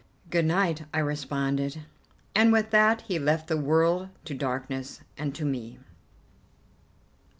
"Good night," I responded, and with that he left the world to darkness and to me.